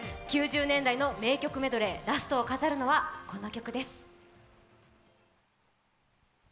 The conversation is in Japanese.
９０年代の名曲メドレー、ラストを飾るのはこの曲です。